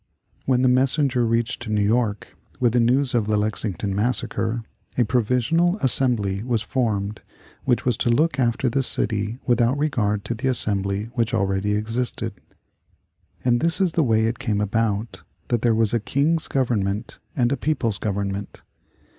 When the messenger reached New York with the news of the Lexington massacre, a Provisional Assembly was formed which was to look after the city without regard to the Assembly which already existed. And this is the way it came about that there was a king's government and a people's government.